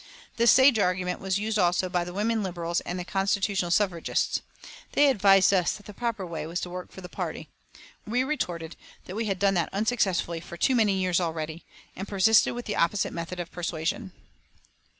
This sage argument was used also by the women Liberals and the constitutional suffragists. They advised us that the proper way was to work for the party. We retorted that we had done that unsuccessfully for too many years already, and persisted with the opposite method of persuasion.